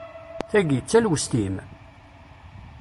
Tagi, d talwest-im?